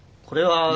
これは。